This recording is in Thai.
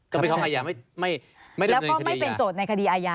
ก็ไม่ต้องเป็นจดในคดีอายาแล้วต้องไม่เป็นจดในคดีอายา